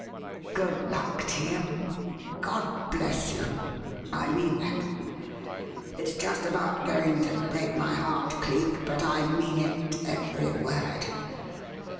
Good luck to you! God bless you! I mean that. It's just about going to break my heart, Cleek, but I mean it every word!